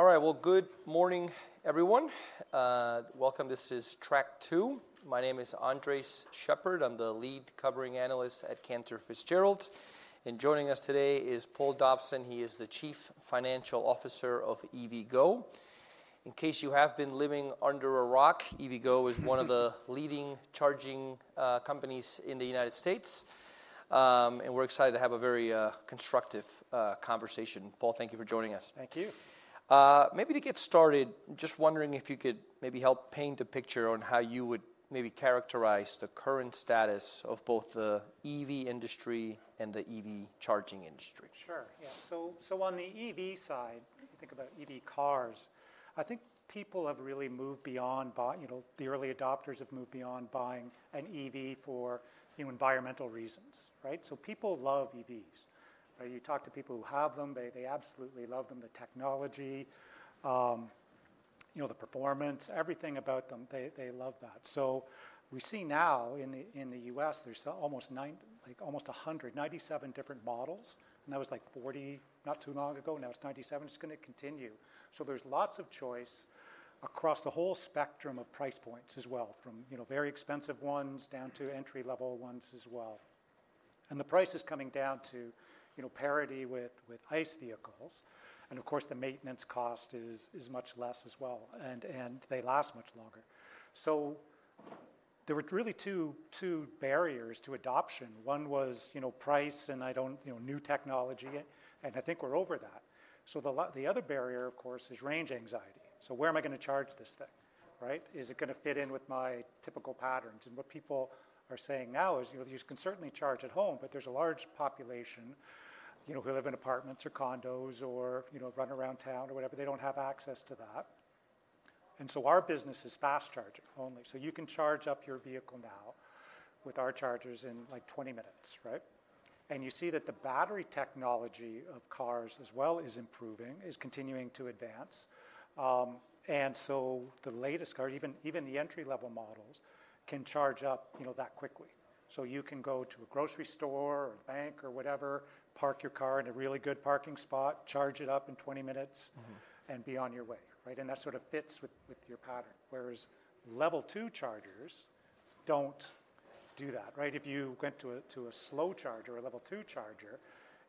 All right, good morning, everyone. Welcome. This is Track Two. My name is Andres Sheppard. I'm the Lead Covering Analyst at Cantor Fitzgerald. Joining us today is Paul Dobson. He is the Chief Financial Officer of EVgo. In case you have been living under a rock, EVgo is one of the leading charging companies in the United States. We're excited to have a very constructive conversation. Paul, thank you for joining us. Thank you. Maybe to get started, just wondering if you could maybe help paint a picture on how you would maybe characterize the current status of both the EV industry and the EV charging industry. Sure. Yeah. On the EV side, if you think about EV cars, I think people have really moved beyond, you know, the early adopters have moved beyond buying an EV for environmental reasons, right? People love EVs. You talk to people who have them, they absolutely love them. The technology, you know, the performance, everything about them, they love that. We see now in the US, there's almost 97 different models. That was like 40 not too long ago. Now it's 97. It's going to continue. There's lots of choice across the whole spectrum of price points as well, from very expensive ones down to entry-level ones as well. The price is coming down to parity with ICE vehicles. Of course, the maintenance cost is much less as well. They last much longer. There were really two barriers to adoption. One was price and new technology. I think we're over that. The other barrier, of course, is range anxiety. Where am I going to charge this thing, right? Is it going to fit in with my typical patterns? What people are saying now is you can certainly charge at home, but there's a large population who live in apartments or condos or run around town or whatever. They don't have access to that. Our business is fast charging only. You can charge up your vehicle now with our chargers in like 20 minutes, right? You see that the battery technology of cars as well is improving, is continuing to advance. The latest car, even the entry-level models, can charge up that quickly. You can go to a grocery store or a bank or whatever, park your car in a really good parking spot, charge it up in 20 minutes, and be on your way, right? That sort of fits with your pattern. Whereas Level 2 chargers do not do that, right? If you went to a slow charger or a Level 2 charger,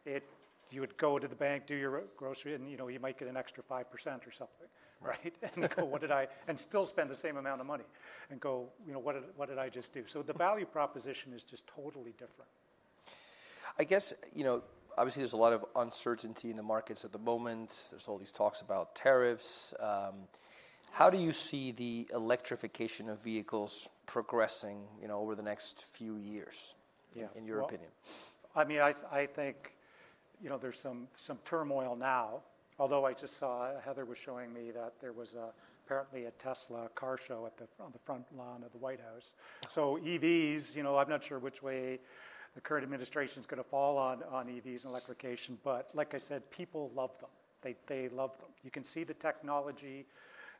you would go to the bank, do your grocery, and you might get an extra 5% or something, right? You go, what did I, and still spend the same amount of money, and you go, you know, what did I just do? The value proposition is just totally different. I guess, you know, obviously there's a lot of uncertainty in the markets at the moment. There's all these talks about tariffs. How do you see the electrification of vehicles progressing over the next few years, in your opinion? I mean, I think, you know, there's some turmoil now, although I just saw Heather was showing me that there was apparently a Tesla car show on the front lawn of the White House. EVs, you know, I'm not sure which way the current administration is going to fall on EVs and electrification, but like I said, people love them. They love them. You can see the technology,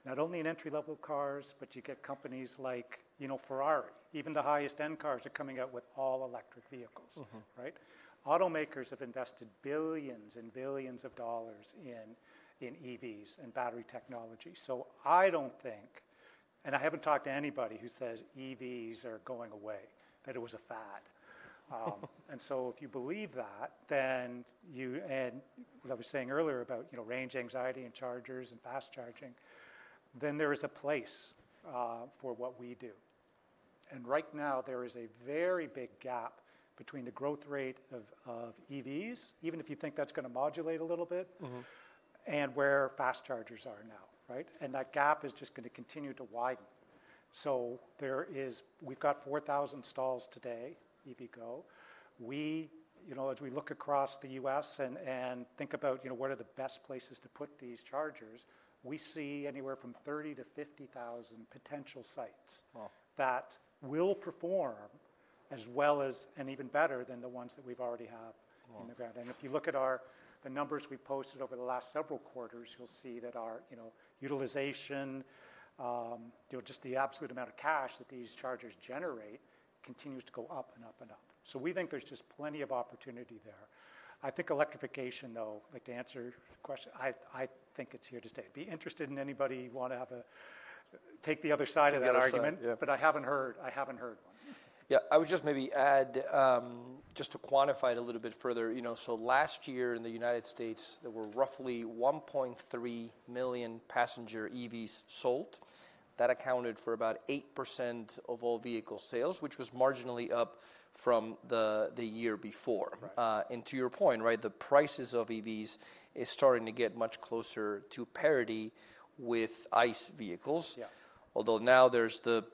not only in entry-level cars, but you get companies like Ferrari. Even the highest-end cars are coming out with all-electric vehicles, right? Automakers have invested billions and billions of dollars in EVs and battery technology. I don't think, and I haven't talked to anybody who says EVs are going away, that it was a fad. If you believe that, then you, and what I was saying earlier about range anxiety and chargers and fast charging, there is a place for what we do. Right now, there is a very big gap between the growth rate of EVs, even if you think that's going to modulate a little bit, and where fast chargers are now, right? That gap is just going to continue to widen. We have 4,000 stalls today, EVgo. We, you know, as we look across the U.S. and think about what are the best places to put these chargers, we see anywhere from 30,000-50,000 potential sites that will perform as well as, and even better than, the ones that we already have in the ground. If you look at the numbers we've posted over the last several quarters, you'll see that our utilization, just the absolute amount of cash that these chargers generate, continues to go up and up and up. We think there's just plenty of opportunity there. I think electrification, though, like to answer your question, I think it's here to stay. Be interested in anybody who wants to take the other side of that argument, but I haven't heard one. Yeah. I would just maybe add, just to quantify it a little bit further, you know, last year in the United States, there were roughly 1.3 million passenger EVs sold. That accounted for about 8% of all vehicle sales, which was marginally up from the year before. To your point, right, the prices of EVs are starting to get much closer to parity with ICE vehicles. Although now there's the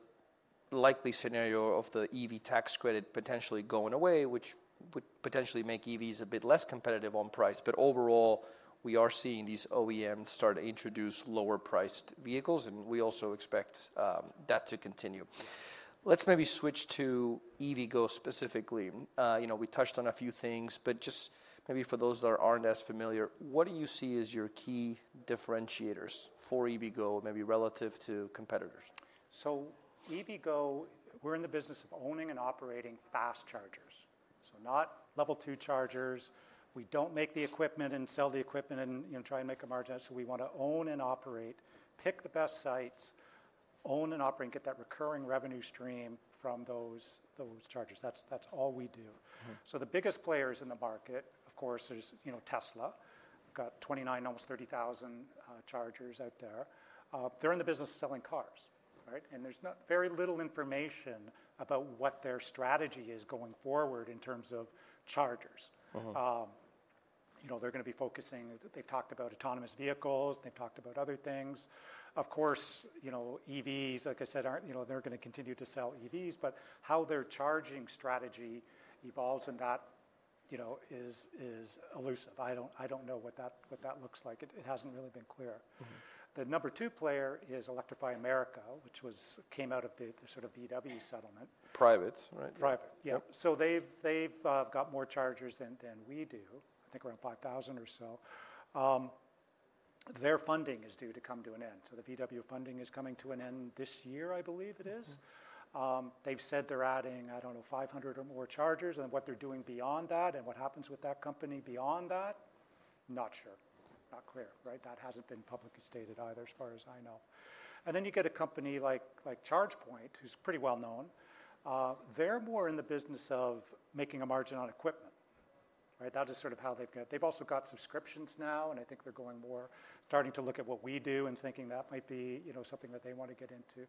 likely scenario of the EV tax credit potentially going away, which would potentially make EVs a bit less competitive on price. Overall, we are seeing these OEMs start to introduce lower-priced vehicles. We also expect that to continue. Let's maybe switch to EVgo specifically. We touched on a few things, but just maybe for those that aren't as familiar, what do you see as your key differentiators for EVgo, maybe relative to competitors? EVgo, we're in the business of owning and operating fast chargers. Not Level 2 chargers. We don't make the equipment and sell the equipment and try and make a margin on it. We want to own and operate, pick the best sites, own and operate, and get that recurring revenue stream from those chargers. That's all we do. The biggest players in the market, of course, is Tesla. We've got 29,000, almost 30,000 chargers out there. They're in the business of selling cars, right? There's very little information about what their strategy is going forward in terms of chargers. You know, they're going to be focusing, they've talked about autonomous vehicles, they've talked about other things. Of course, you know, EVs, like I said, they're going to continue to sell EVs, but how their charging strategy evolves in that, you know, is elusive. I don't know what that looks like. It hasn't really been clear. The number two player is Electrify America, which came out of the sort of VW settlement. Private, right? Private, yeah. They've got more chargers than we do, I think around 5,000 or so. Their funding is due to come to an end. The VW funding is coming to an end this year, I believe it is. They've said they're adding, I do not know, 500 or more chargers. What they're doing beyond that and what happens with that company beyond that, not sure, not clear, right? That has not been publicly stated either, as far as I know. You get a company like ChargePoint, who's pretty well known. They're more in the business of making a margin on equipment, right? That is sort of how they've got. They've also got subscriptions now, and I think they're going more, starting to look at what we do and thinking that might be something that they want to get into.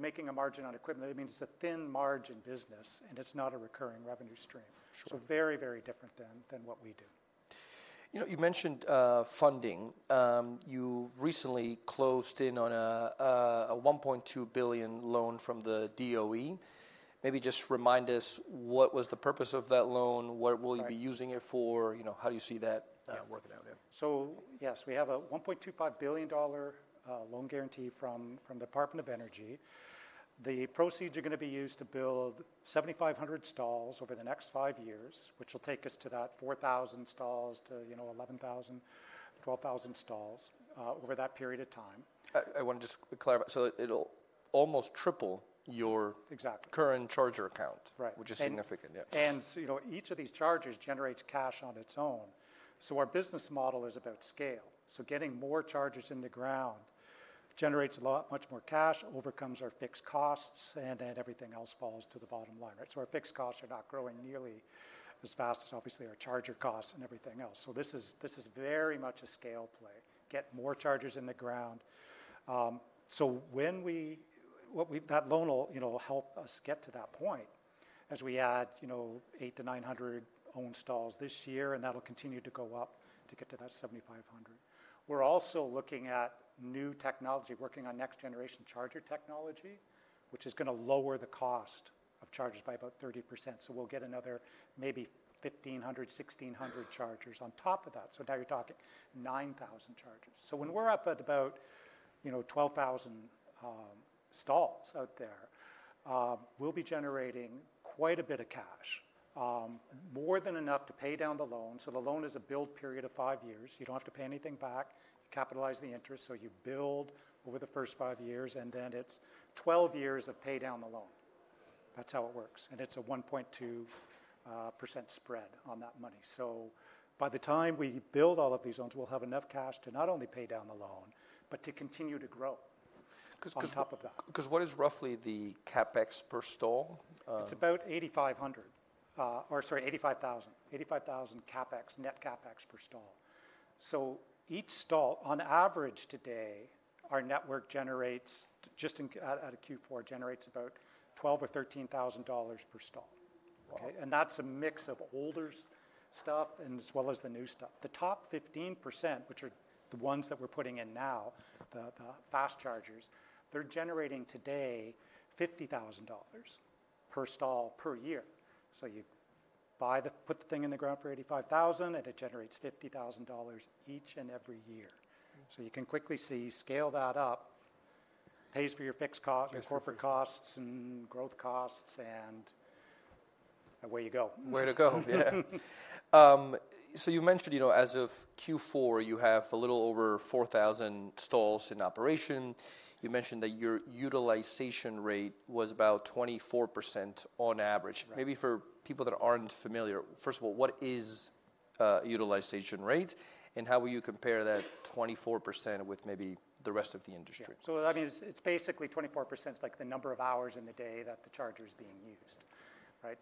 Making a margin on equipment, I mean, it's a thin margin business, and it's not a recurring revenue stream. So very, very different than what we do. You mentioned funding. You recently closed in on a $1.2 billion loan from the DOE. Maybe just remind us, what was the purpose of that loan? What will you be using it for? How do you see that working out? Yeah. Yes, we have a $1.25 billion loan guarantee from the Department of Energy. The proceeds are going to be used to build 7,500 stalls over the next five years, which will take us to that 4,000 stalls to 11,000-12,000 stalls over that period of time. I want to just clarify. It'll almost triple your current charger count, which is significant, yes. Each of these chargers generates cash on its own. Our business model is about scale. Getting more chargers in the ground generates much more cash, overcomes our fixed costs, and then everything else falls to the bottom line, right? Our fixed costs are not growing nearly as fast as obviously our charger costs and everything else. This is very much a scale play. Get more chargers in the ground. That loan will help us get to that point as we add 800-900 owned stalls this year, and that'll continue to go up to get to that 7,500. We're also looking at new technology, working on next-generation charger technology, which is going to lower the cost of chargers by about 30%. We'll get another maybe 1,500, 1,600 chargers on top of that. Now you're talking 9,000 chargers. When we're up at about 12,000 stalls out there, we'll be generating quite a bit of cash, more than enough to pay down the loan. The loan is a build period of five years. You don't have to pay anything back. You capitalize the interest. You build over the first five years, and then it's 12 years to pay down the loan. That's how it works. It's a 1.2% spread on that money. By the time we build all of these loans, we'll have enough cash to not only pay down the loan, but to continue to grow on top of that. Because what is roughly the CapEx per stall? It's about $8,500, or sorry, $85,000, $85,000 CapEx, net CapEx per stall. Each stall, on average today, our network generates just out of Q4, generates about $12,000 or $13,000 per stall. That's a mix of older stuff as well as the new stuff. The top 15%, which are the ones that we're putting in now, the fast chargers, they're generating today $50,000 per stall per year. You put the thing in the ground for $85,000, and it generates $50,000 each and every year. You can quickly see scale that up, pays for your fixed costs and corporate costs and growth costs, and away you go. Way to go, yeah. You mentioned, you know, as of Q4, you have a little over 4,000 stalls in operation. You mentioned that your utilization rate was about 24% on average. Maybe for people that aren't familiar, first of all, what is utilization rate? How will you compare that 24% with maybe the rest of the industry? I mean, it's basically 24%, like the number of hours in the day that the charger is being used, right?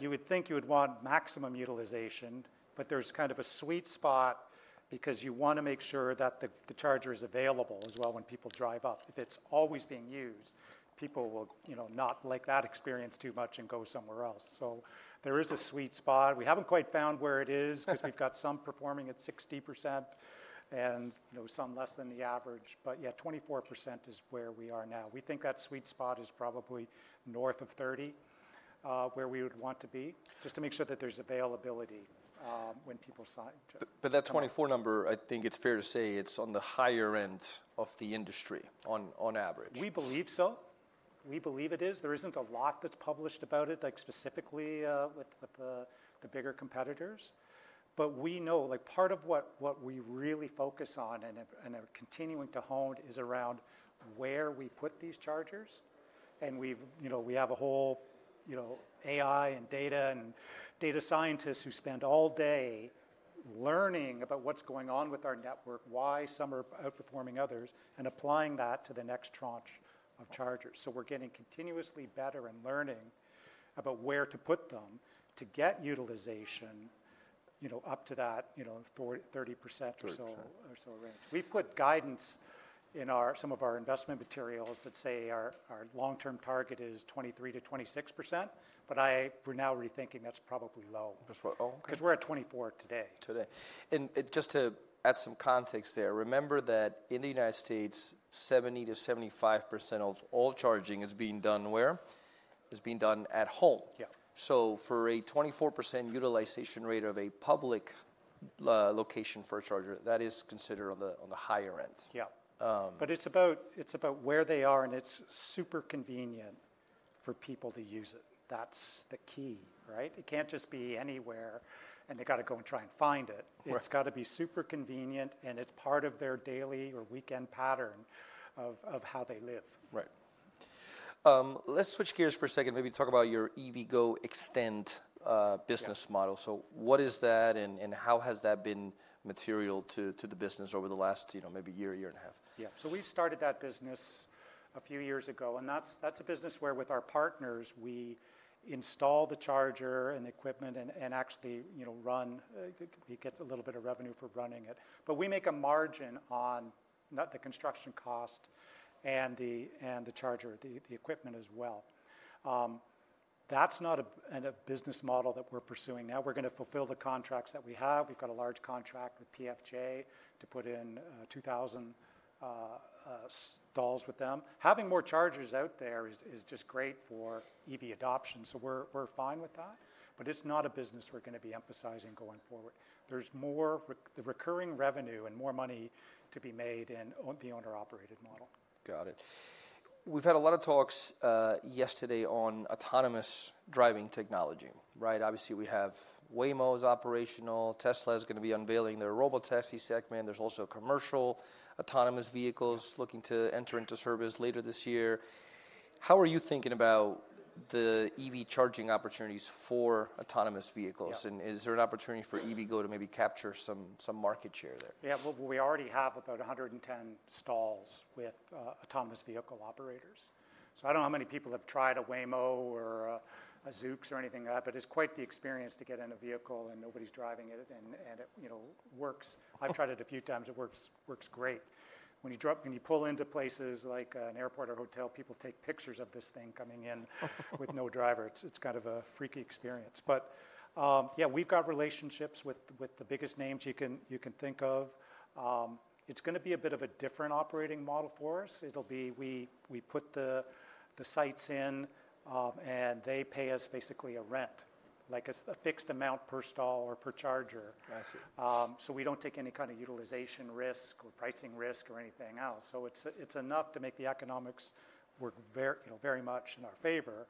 You would think you would want maximum utilization, but there's kind of a sweet spot because you want to make sure that the charger is available as well when people drive up. If it's always being used, people will not like that experience too much and go somewhere else. There is a sweet spot. We haven't quite found where it is because we've got some performing at 60% and some less than the average. Yeah, 24% is where we are now. We think that sweet spot is probably north of 30% where we would want to be, just to make sure that there's availability when people sign. That 24 number, I think it's fair to say it's on the higher end of the industry on average. We believe so. We believe it is. There is not a lot that is published about it, like specifically with the bigger competitors. We know like part of what we really focus on and are continuing to hone is around where we put these chargers. We have a whole AI and data and data scientists who spend all day learning about what is going on with our network, why some are outperforming others, and applying that to the next tranche of chargers. We are getting continuously better and learning about where to put them to get utilization up to that 30% or so range. We have put guidance in some of our investment materials that say our long-term target is 23%-26%, but I am now rethinking that is probably low. That's what? Oh, okay. Because we're at 24% today. Today. Just to add some context there, remember that in the United States, 70%-75% of all charging is being done where? It's being done at home. For a 24% utilization rate of a public location for a charger, that is considered on the higher end. Yeah. It is about where they are, and it is super convenient for people to use it. That is the key, right? It cannot just be anywhere, and they have got to go and try and find it. It has got to be super convenient, and it is part of their daily or weekend pattern of how they live. Right. Let's switch gears for a second. Maybe talk about your EVgo eXtend business model. So what is that, and how has that been material to the business over the last maybe year, year and a half? Yeah. We started that business a few years ago. That's a business where with our partners, we install the charger and the equipment and actually run it, gets a little bit of revenue for running it. We make a margin on the construction cost and the charger, the equipment as well. That's not a business model that we're pursuing. Now we're going to fulfill the contracts that we have. We've got a large contract with PFJ to put in 2,000 stalls with them. Having more chargers out there is just great for EV adoption. We're fine with that. It's not a business we're going to be emphasizing going forward. There's more recurring revenue and more money to be made in the owner-operated model. Got it. We've had a lot of talks yesterday on autonomous driving technology, right? Obviously, we have Waymo's operational. Tesla is going to be unveiling their Robotaxi segment. There's also commercial autonomous vehicles looking to enter into service later this year. How are you thinking about the EV charging opportunities for autonomous vehicles? Is there an opportunity for EVgo to maybe capture some market share there? Yeah. We already have about 110 stalls with autonomous vehicle operators. I do not know how many people have tried a Waymo or a Zoox or anything like that, but it is quite the experience to get in a vehicle and nobody is driving it. It works. I have tried it a few times. It works great. When you pull into places like an airport or hotel, people take pictures of this thing coming in with no driver. It is kind of a freaky experience. Yeah, we have got relationships with the biggest names you can think of. It is going to be a bit of a different operating model for us. We put the sites in, and they pay us basically a rent, like a fixed amount per stall or per charger. We do not take any kind of utilization risk or pricing risk or anything else. It's enough to make the economics work very much in our favor.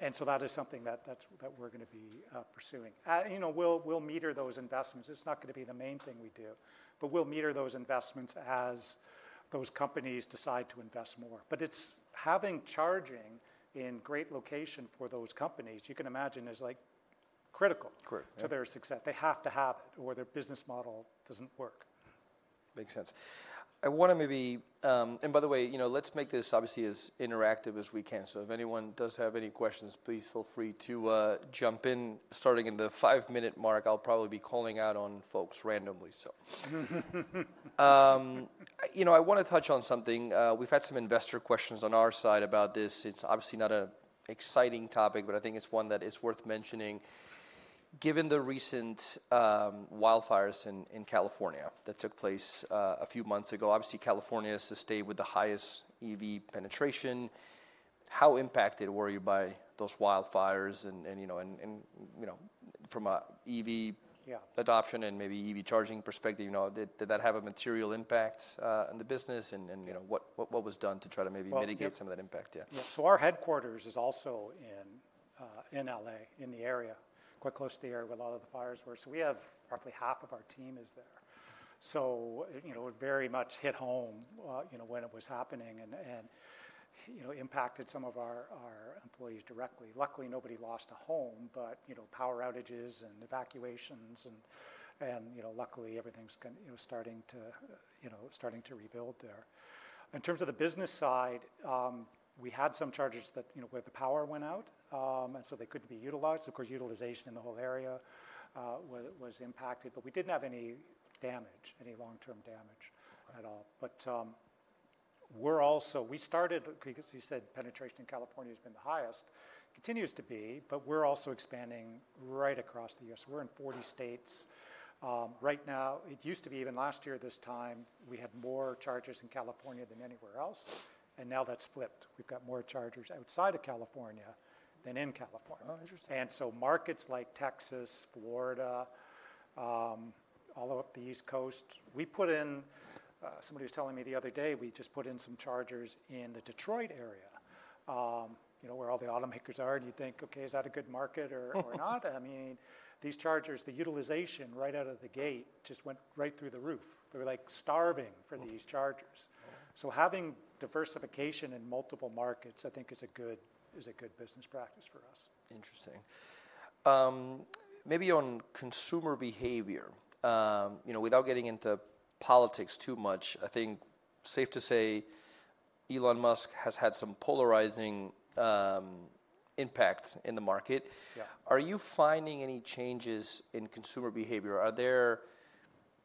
That is something that we're going to be pursuing. We'll meter those investments. It's not going to be the main thing we do, but we'll meter those investments as those companies decide to invest more. Having charging in a great location for those companies, you can imagine, is critical to their success. They have to have it or their business model doesn't work. Makes sense. I want to maybe, and by the way, let's make this obviously as interactive as we can. If anyone does have any questions, please feel free to jump in. Starting in the five-minute mark, I'll probably be calling out on folks randomly. You know, I want to touch on something. We've had some investor questions on our side about this. It's obviously not an exciting topic, but I think it's one that is worth mentioning. Given the recent wildfires in California that took place a few months ago, obviously California is the state with the highest EV penetration. How impacted were you by those wildfires? From an EV adoption and maybe EV charging perspective, did that have a material impact on the business? What was done to try to maybe mitigate some of that impact? Yeah. Our headquarters is also in L.A., in the area, quite close to the area where a lot of the fires were. We have roughly half of our team there. It very much hit home when it was happening and impacted some of our employees directly. Luckily, nobody lost a home, but there were power outages and evacuations. Luckily, everything is starting to rebuild there. In terms of the business side, we had some chargers where the power went out, so they could not be utilized. Of course, utilization in the whole area was impacted, but we did not have any damage, any long-term damage at all. We started, because you said penetration in California has been the highest, continues to be, but we are also expanding right across the U.S. We are in 40 states right now. It used to be, even last year at this time, we had more chargers in California than anywhere else. Now that's flipped. We've got more chargers outside of California than in California. Markets like Texas, Florida, all up the East Coast, we put in, somebody was telling me the other day, we just put in some chargers in the Detroit area where all the automakers are. You think, okay, is that a good market or not? I mean, these chargers, the utilization right out of the gate just went right through the roof. They were like starving for these chargers. Having diversification in multiple markets, I think, is a good business practice for us. Interesting. Maybe on consumer behavior, without getting into politics too much, I think safe to say Elon Musk has had some polarizing impact in the market. Are you finding any changes in consumer behavior? Are there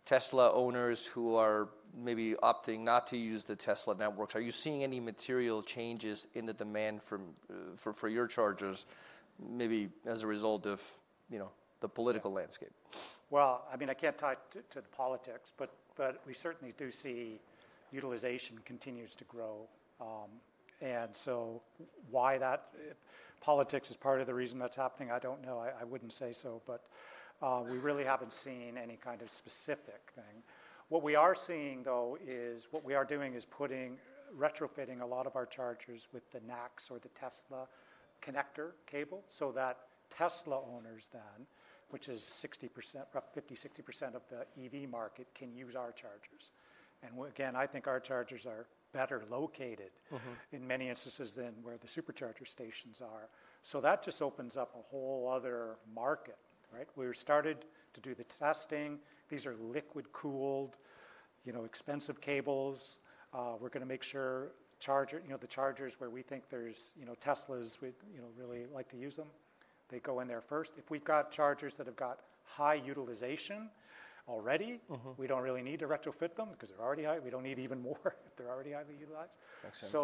Tesla owners who are maybe opting not to use the Tesla networks? Are you seeing any material changes in the demand for your chargers maybe as a result of the political landscape? I mean, I can't tie it to the politics, but we certainly do see utilization continues to grow. Why that politics is part of the reason that's happening, I don't know. I wouldn't say so, but we really haven't seen any kind of specific thing. What we are seeing, though, is what we are doing is putting, retrofitting a lot of our chargers with the NACS or the Tesla connector cable so that Tesla owners then, which is 50%-60% of the EV market, can use our chargers. I think our chargers are better located in many instances than where the Supercharger stations are. That just opens up a whole other market, right? We started to do the testing. These are liquid-cooled, expensive cables. We're going to make sure the chargers where we think there's Teslas would really like to use them, they go in there first. If we've got chargers that have got high utilization already, we don't really need to retrofit them because they're already high. We don't need even more if they're already highly utilized. Makes sense.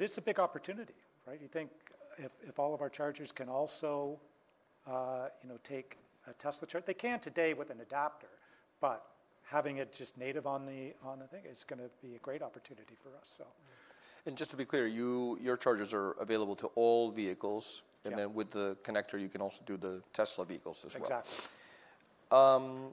It's a big opportunity, right? You think if all of our chargers can also take a Tesla charger, they can today with an adapter, but having it just native on the thing, it's going to be a great opportunity for us. Just to be clear, your chargers are available to all vehicles. With the connector, you can also do the Tesla vehicles as well. Exactly.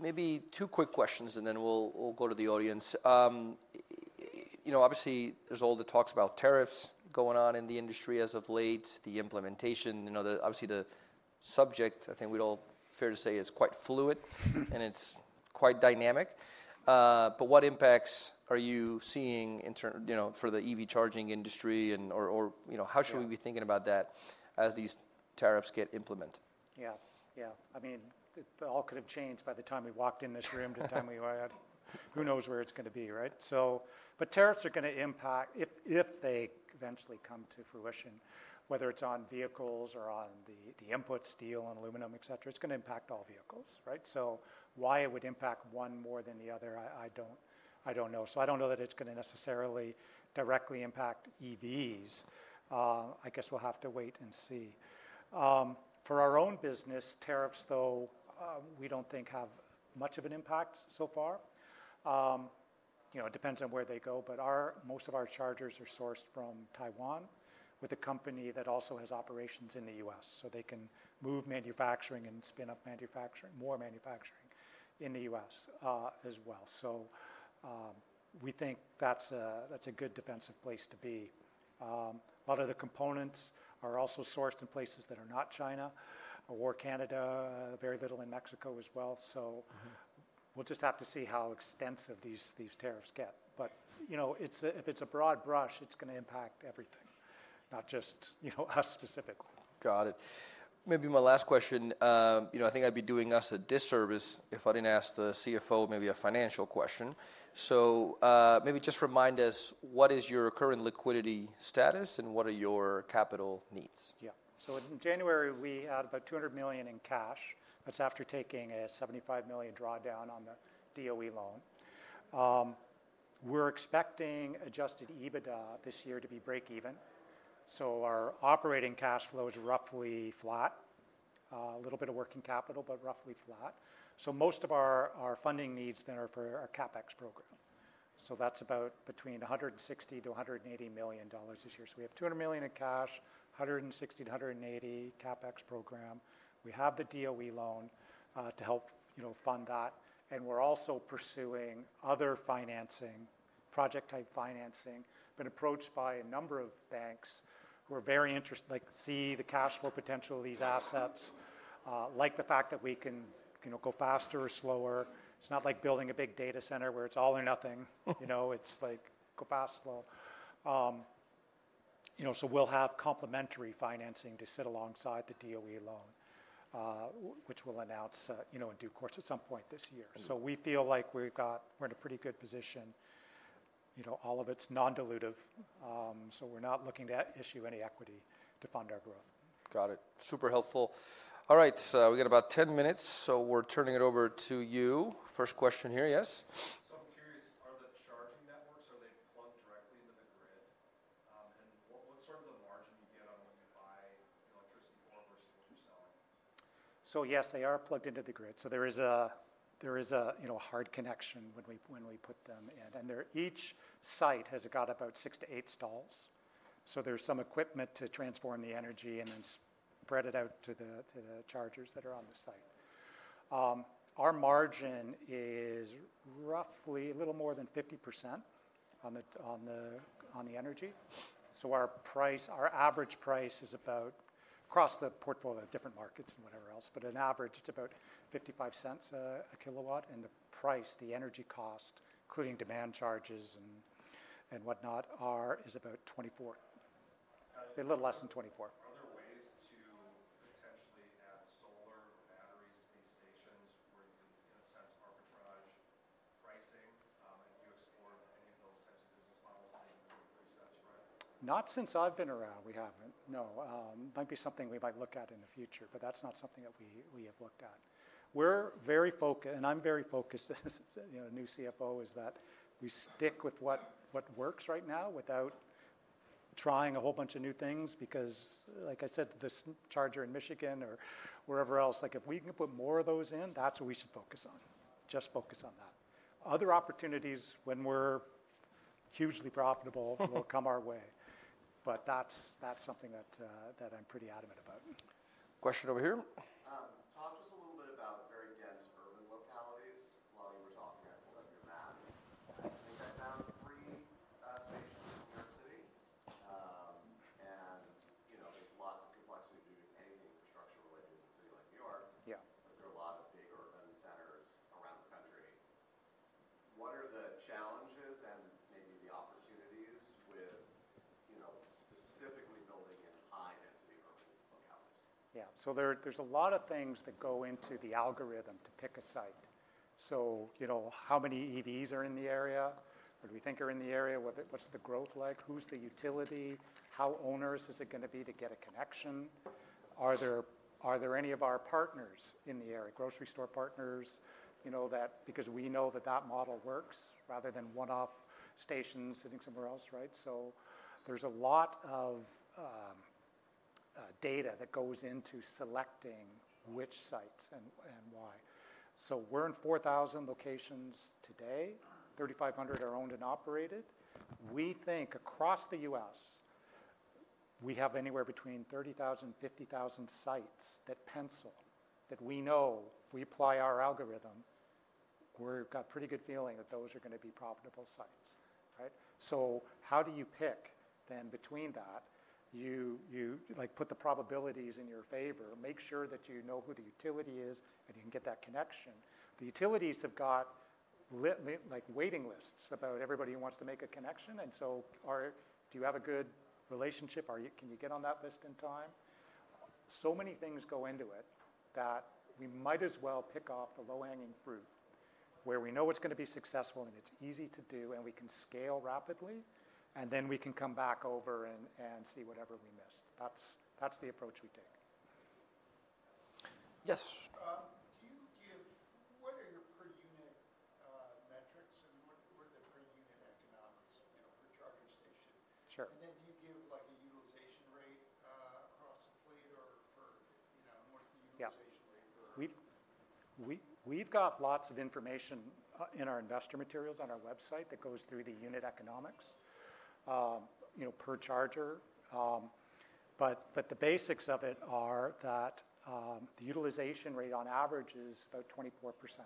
Maybe two quick questions, and then we'll go to the audience. Obviously, there's all the talks about tariffs going on in the industry as of late, the implementation. Obviously, the subject, I think we'd all fair to say, is quite fluid, and it's quite dynamic. What impacts are you seeing for the EV charging industry? Or how should we be thinking about that as these tariffs get implemented? Yeah, yeah. I mean, it all could have changed by the time we walked in this room, the time we arrived. Who knows where it's going to be, right? Tariffs are going to impact if they eventually come to fruition, whether it's on vehicles or on the input steel and aluminum, et cetera, it's going to impact all vehicles, right? Why it would impact one more than the other, I don't know. I don't know that it's going to necessarily directly impact EVs. I guess we'll have to wait and see. For our own business, tariffs, though, we don't think have much of an impact so far. It depends on where they go, but most of our chargers are sourced from Taiwan with a company that also has operations in the U.S. They can move manufacturing and spin up manufacturing, more manufacturing in the U.S. as well. We think that's a good defensive place to be. A lot of the components are also sourced in places that are not China or Canada, very little in Mexico as well. We will just have to see how extensive these tariffs get. If it's a broad brush, it's going to impact everything, not just us specifically. Got it. Maybe my last question. I think I'd be doing us a disservice if I didn't ask the CFO maybe a financial question. Maybe just remind us, what is your current liquidity status and what are your capital needs? Yeah. In January, we had about $200 million in cash. That's after taking a $75 million drawdown on the DOE loan. We're expecting adjusted EBITDA this year to be break-even. Our operating cash flow is roughly flat, a little bit of working capital, but roughly flat. Most of our funding needs then are for our CapEx program. That's about $160 million-$180 million this year. We have $200 million in cash, $160 million-$180 million CapEx program. We have the DOE loan to help fund that. We're also pursuing other financing, project-type financing, been approached by a number of banks who are very interested, like see the cash flow potential of these assets, like the fact that we can go faster or slower. It's not like building a big data center where it's all or nothing. It's like go fast, slow. We'll have complementary financing to sit alongside the DOE loan, which we'll announce in due course at some point this year. We feel like we're in a pretty good position. All of it's non-dilutive. We're not looking to issue any equity to fund our growth. Got it. Super helpful. All right. We got about 10 minutes. So we're turning it over to you. First question here, yes? I'm curious, are the charging networks, are they plugged directly into the grid? What's sort of the margin you get on what you buy electricity for versus what you're selling? Yes, they are plugged into the grid. There is a hard connection when we put them in. Each site has got about six to eight stalls. There is some equipment to transform the energy and then spread it out to the chargers that are on the site. Our margin is roughly a little more than 50% on the energy. Our average price is about, across the portfolio of different markets and whatever else, but on average, it is about $0.55 a kilowatt. The price, the energy cost, including demand charges and whatnot, is about $0.24. A little less than $0.24. Are there ways to potentially add solar or batteries to these stations where you can, in a sense, arbitrage pricing? Have you explored any of those types of business models to make a little bit of resets, right? Not since I've been around, we haven't. No. It might be something we might look at in the future, but that's not something that we have looked at. We're very focused, and I'm very focused, as a new CFO, is that we stick with what works right now without trying a whole bunch of new things. Because, like I said, this charger in Michigan or wherever else, like if we can put more of those in, that's what we should focus on. Just focus on that. Other opportunities when we're hugely profitable will come our way. That's something that I'm pretty adamant about. Question over here. Talk to us a little bit about very dense urban localities. While you were talking, I pulled up your map. I think I found three stations in New York City. There is lots of complexity to doing anything infrastructure-related in a city like New York. There are a lot of big urban centers around the country. What are the challenges and maybe the opportunities with specifically building in high-density urban localities? Yeah. There's a lot of things that go into the algorithm to pick a site. How many EVs are in the area? What do we think are in the area? What's the growth like? Who's the utility? How owners is it going to be to get a connection? Are there any of our partners in the area, grocery store partners, because we know that that model works rather than one-off stations sitting somewhere else, right? There's a lot of data that goes into selecting which sites and why. We're in 4,000 locations today. 3,500 are owned and operated. We think across the U.S., we have anywhere between 30,000 and 50,000 sites that pencil that we know if we apply our algorithm, we've got a pretty good feeling that those are going to be profitable sites, right? How do you pick then between that? You put the probabilities in your favor, make sure that you know who the utility is and you can get that connection. The utilities have got waiting lists about everybody who wants to make a connection. Do you have a good relationship? Can you get on that list in time? So many things go into it that we might as well pick off the low-hanging fruit where we know it is going to be successful and it is easy to do and we can scale rapidly. We can come back over and see whatever we missed. That is the approach we take. Yes. Do you give, what are your per-unit metrics and what are the per-unit economics per charging station? Sure. Do you give like a utilization rate across the fleet or what is the utilization rate? We've got lots of information in our investor materials on our website that goes through the unit economics per charger. The basics of it are that the utilization rate on average is about 24%.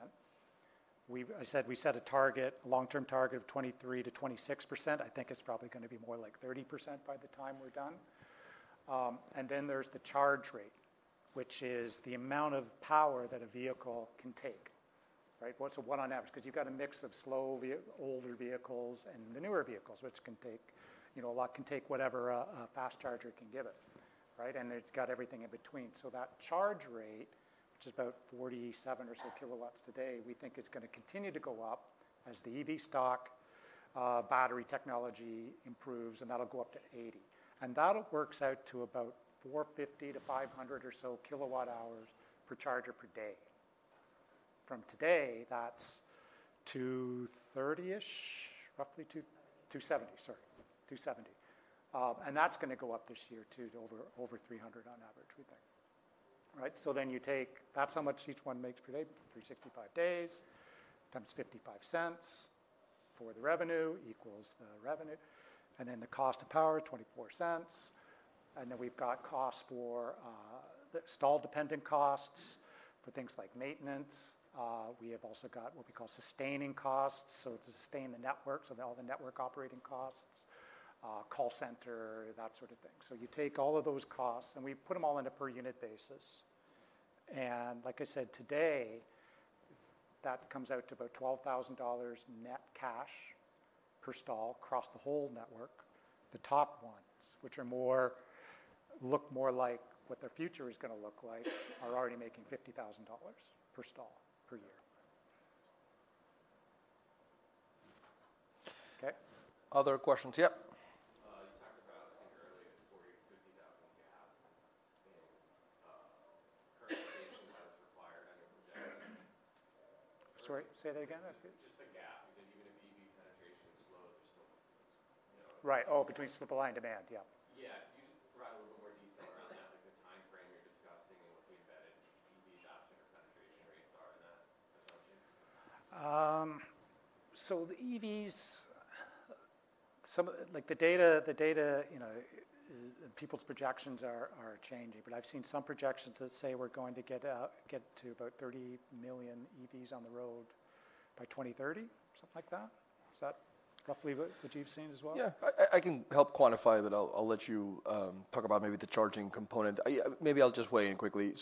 I said we set a target, a long-term target of 23%-26%. I think it's probably going to be more like 30% by the time we're done. There is the charge rate, which is the amount of power that a vehicle can take, right? What on average? Because you've got a mix of slow older vehicles and the newer vehicles, which can take a lot, can take whatever a fast charger can give it, right? It's got everything in between. That charge rate, which is about 47 or so kilowatts today, we think it's going to continue to go up as the EV stock, battery technology improves, and that'll go up to 80. That works out to about 450-500 or so kilowatt-hours per charger per day. From today, that's 230-ish, roughly 270, sorry, 270. That's going to go up this year to over 300 on average, we think, right? You take that's how much each one makes per day, 365 days times $0.55 for the revenue equals the revenue. The cost of power is $0.24. We've got costs for stall-dependent costs for things like maintenance. We have also got what we call sustaining costs. To sustain the network, all the network operating costs, call center, that sort of thing. You take all of those costs and we put them all on a per-unit basis. Like I said, today, that comes out to about $12,000 net cash per stall across the whole network. The top ones, which look more like what their future is going to look like, are already making $50,000 per stall per year. Okay. Other questions? Yep. You talked about, I think earlier, 40,000-50,000 gap in current stations as required. I don't know if you're getting it. Sorry, say that again. Just the gap. You said even if EV penetration slows, there's still. Right. Oh, between supply and demand, yep. Yeah. Can you just provide a little bit more detail around that, like the timeframe you're discussing and what the embedded EV adoption or penetration rates are in that assumption? The EVs, like the data, people's projections are changing. I've seen some projections that say we're going to get to about 30 million EVs on the road by 2030, something like that. Is that roughly what you've seen as well? Yeah. I can help quantify that. I'll let you talk about maybe the charging component. Maybe I'll just weigh in quickly.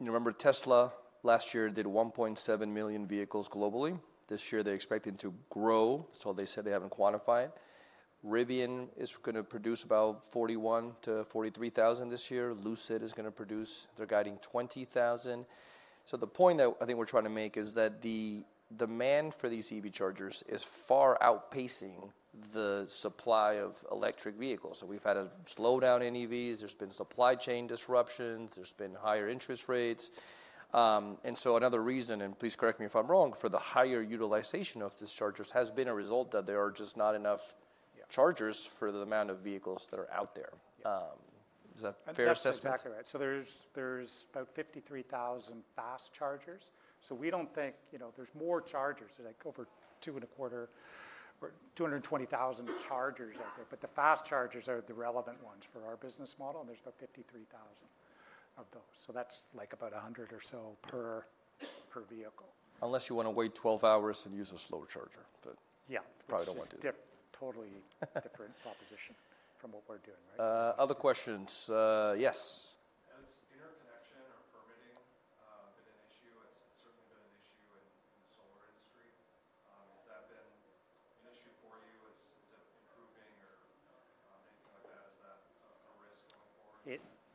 Remember Tesla last year did 1.7 million vehicles globally. This year they're expecting to grow. They said they haven't quantified. Rivian is going to produce about 41,000-43,000 this year. Lucid is going to produce, they're guiding 20,000. The point that I think we're trying to make is that the demand for these EV chargers is far outpacing the supply of electric vehicles. We've had a slowdown in EVs. There's been supply chain disruptions. There's been higher interest rates. Another reason, and please correct me if I'm wrong, for the higher utilization of these chargers has been a result that there are just not enough chargers for the amount of vehicles that are out there. Is that a fair assessment? That's exactly right. There are about 53,000 fast chargers. We do not think there are more chargers, like over 220,000 chargers out there. The fast chargers are the relevant ones for our business model, and there are about 53,000 of those. That is about 100 or so per vehicle. Unless you want to wait 12 hours and use a slow charger, but probably don't want to. Yeah. It's a totally different proposition from what we're doing, right? Other questions? Yes.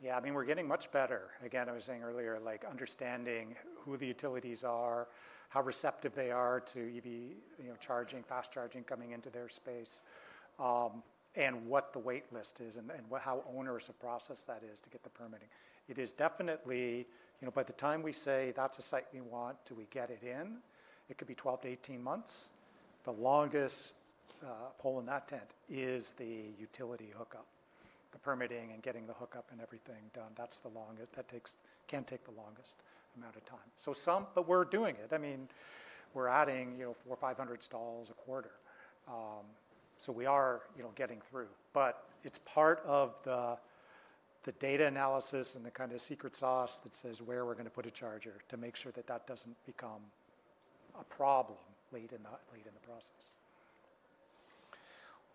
Has interconnection or permitting been an issue? It's certainly been an issue in the solar industry. Has that been an issue for you? Is it improving or anything like that? Is that a risk going forward? Yeah. I mean, we're getting much better. Again, I was saying earlier, like understanding who the utilities are, how receptive they are to EV charging, fast charging coming into their space, and what the waitlist is and how onerous a process that is to get the permitting. It is definitely, by the time we say that's a site we want, do we get it in? It could be 12-18 months. The longest pole in that tent is the utility hookup. The permitting and getting the hookup and everything done, that's the longest that can take the longest amount of time. I mean, we're doing it. I mean, we're adding 400-500 stalls a quarter. We are getting through. It is part of the data analysis and the kind of secret sauce that says where we're going to put a charger to make sure that that doesn't become a problem late in the process.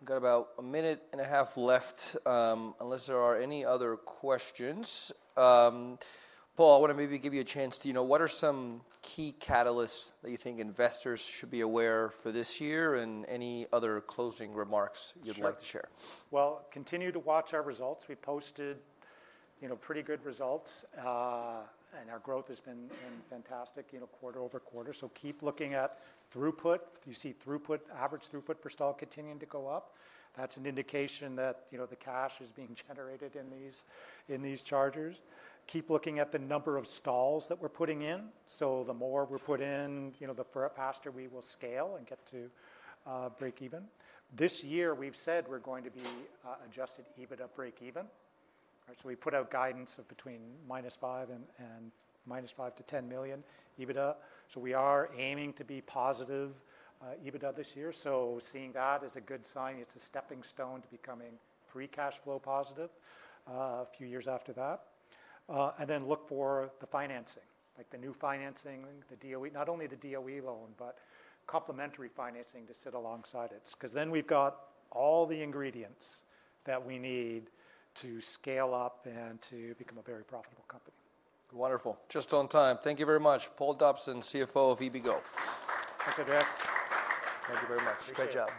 We've got about a minute and a half left unless there are any other questions. Paul, I want to maybe give you a chance to, what are some key catalysts that you think investors should be aware for this year and any other closing remarks you'd like to share? Continue to watch our results. We posted pretty good results. Our growth has been fantastic quarter over quarter. Keep looking at throughput. You see average throughput per stall continuing to go up. That is an indication that the cash is being generated in these chargers. Keep looking at the number of stalls that we are putting in. The more we are putting in, the faster we will scale and get to break-even. This year, we have said we are going to be adjusted EBITDA break-even. We put out guidance of between minus $5 million and minus $5 million to $10 million EBITDA. We are aiming to be positive EBITDA this year. Seeing that is a good sign. It is a stepping stone to becoming free cash flow positive a few years after that. Then look for the financing, like the new financing, not only the DOE loan, but complementary financing to sit alongside it. Because then we've got all the ingredients that we need to scale up and to become a very profitable company. Wonderful. Just on time. Thank you very much. Paul Dobson, CFO of EVgo. Thank you. Thank you very much. Great job.